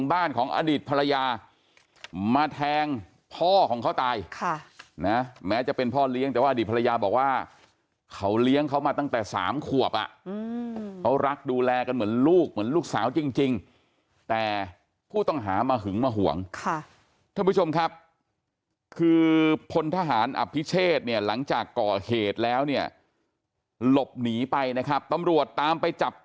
บ้านของอดีตภรรยามาแทงพ่อของเขาตายค่ะนะแม้จะเป็นพ่อเลี้ยงแต่ว่าอดีตภรรยาบอกว่าเขาเลี้ยงเขามาตั้งแต่สามขวบอ่ะเขารักดูแลกันเหมือนลูกเหมือนลูกสาวจริงแต่ผู้ต้องหามาหึงมาห่วงค่ะท่านผู้ชมครับคือพลทหารอภิเชษเนี่ยหลังจากก่อเหตุแล้วเนี่ยหลบหนีไปนะครับตำรวจตามไปจับ